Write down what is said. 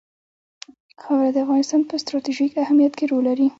خاوره د افغانستان په ستراتیژیک اهمیت کې رول لري.